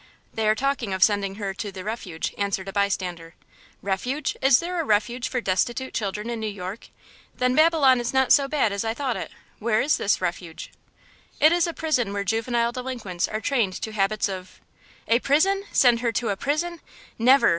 "They are talking of sending her to the Refuge," answered a bystander. "Refuge? Is there a refuge for destitute children in New York? Then Babylon is not so bad as I thought it. What is this Refuge?" "It is a prison where juvenile delinquents are trained to habits of–" "A prison! Send her to a prison? Never!"